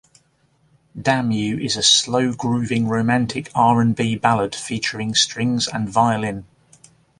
"Damn U" is a slow-grooving romantic R and B ballad, featuring strings and violin.